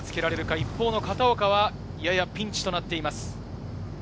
一方の片岡はややピンチとなっています。